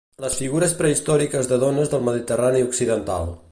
Les figures prehistòriques de dones del Mediterrani occidental.